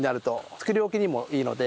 作り置きにもいいので。